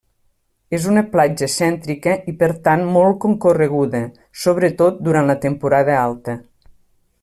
És una platja cèntrica i per tant molt concorreguda, sobretot durant la temporada alta.